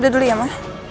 udah dulu ya ma